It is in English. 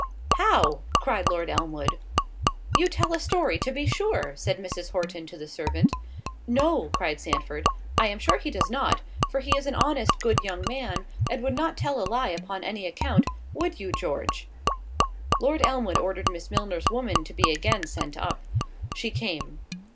"How!" cried Lord Elmwood. "You tell a story, to be sure," said Mrs. Horton to the servant. "No," cried Sandford, "I am sure he does not; for he is an honest good young man, and would not tell a lie upon any account—would you, George?" Lord Elmwood ordered Miss Milner's woman to be again sent up. She came.